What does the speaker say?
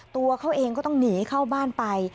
ตัวเขาเองก็ต้องหนีเข้าบ้านไป